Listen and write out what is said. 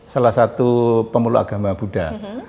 salah satu pemuluh agama buddha